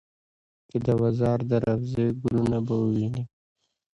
چې د مزار د روضې ګلونه به ووینې.